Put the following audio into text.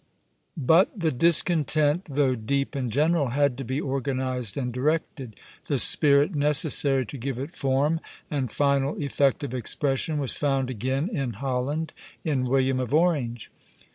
But the discontent, though deep and general, had to be organized and directed; the spirit necessary to give it form and final effective expression was found again in Holland, in William of Orange.